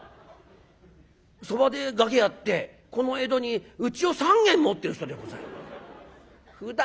そば賭けやってこの江戸にうちを３軒持ってる人でございます。